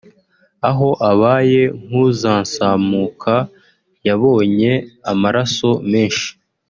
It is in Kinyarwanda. Aho abaye nk’uzansamuka yabonye amaraso menshi